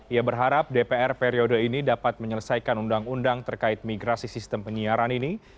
ia berharap dpr periode ini dapat menyelesaikan undang undang terkait migrasi sistem penyiaran ini